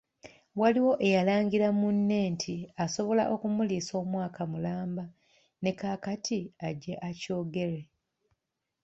Waliwo eyalangira munne nti asobola okumuliisa omwaka mulamba ne kaakati ajje akyogere.